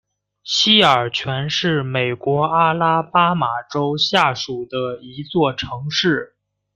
西尔泉是美国阿拉巴马州下属的一座城市。